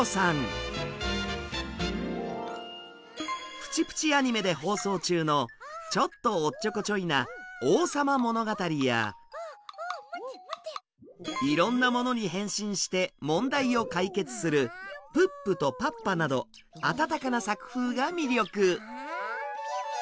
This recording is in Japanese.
「プチプチ・アニメ」で放送中のちょっとおっちょこちょいな「王さまものがたり」やいろんなものに変身して問題を解決する「プップとパッパ」など温かな作風が魅力。